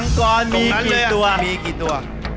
มังกรตรงนะเลยมีกี่ตัว